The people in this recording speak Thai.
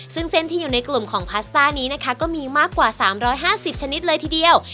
ซึ่งเส้นที่อยู่ในกลุ่มของพาสต้านี้นะคะก็มีมากกว่า๓๕๐ชนิดเลยทีเดียว